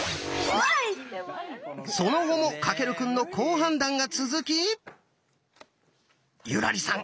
その後も翔くんの好判断が続き優良梨さん